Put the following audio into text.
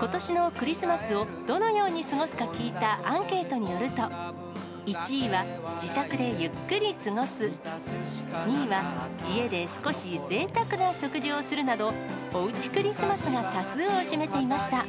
ことしのクリスマスをどのように過ごすか聞いたアンケートによると、１位は自宅でゆっくり過ごす、２位は家で少しぜいたくな食事をするなど、おうちクリスマスが多数を占めていました。